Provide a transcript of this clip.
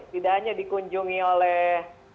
tidak hanya dikunjungi oleh